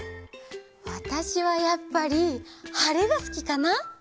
わたしはやっぱりはれがすきかな！